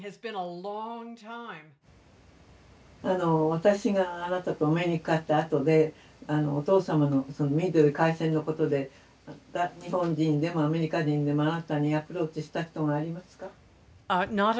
私があなたとお目にかかったあとでお父様のそのミッドウェー海戦のことで日本人でもアメリカ人でもあなたにアプローチした人がありますか？